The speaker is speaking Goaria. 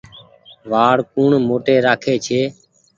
وآڙ ڪوڻ موٽي رآکي ڇي ۔